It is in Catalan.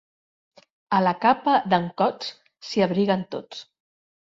A la capa d'en Cots s'hi abriguen tots.